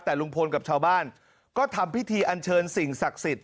แต่ลุงพลกับชาวบ้านก็ทำพิธีอันเชิญสิ่งศักดิ์สิทธิ